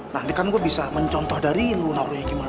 nanti kan gue bisa mencontoh dari lo naruhnya gimana